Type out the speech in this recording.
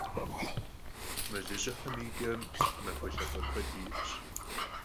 Melıjıhım yi ç'em maxue lhap'e kued yi'eş.